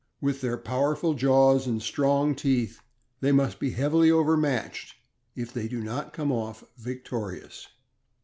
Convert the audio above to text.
With their powerful jaws and strong teeth, they must be heavily overmatched if they do not come off victorious.